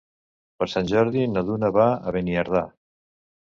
Per Sant Jordi na Duna va a Beniardà.